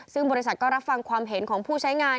ซึ่งบริษัทก็รับฟังความเห็นของผู้ใช้งาน